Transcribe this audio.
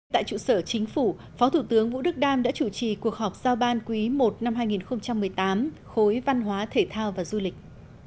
tại trụ sở chính phủ phó thủ tướng vũ đức đam đã chủ trì cuộc họp giao ban quý i năm hai nghìn một mươi tám khối văn hóa thể thao và du lịch